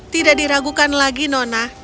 tidak diragukan lagi nona